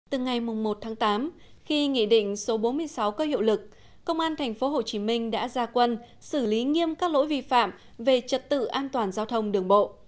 từ ngày một tháng tám khi nghị định số bốn mươi sáu có hiệu lực công an tp hcm đã ra quân xử lý nghiêm các lỗi vi phạm về trật tự an toàn giao thông đường bộ